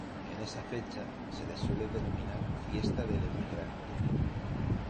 En esa fecha, se le suele denominar ""Fiesta del emigrante"".